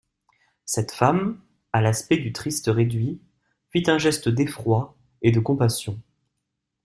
Cette femme, à l'aspect du triste réduit, fit un geste d'effroi et de compassion.